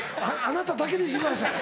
あなただけにしてください。